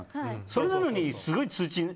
それなのにすごい通知が。